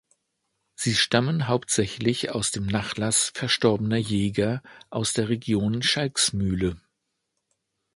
Sie stammen hauptsächlich aus dem Nachlass verstorbener Jäger aus der Region Schalksmühle.